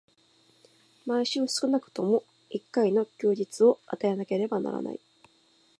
毎週少くとも一回の休日を与えなければならない。